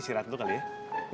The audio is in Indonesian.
isirat dulu kali ya